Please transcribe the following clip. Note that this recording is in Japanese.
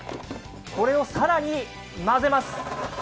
これを更に混ぜます。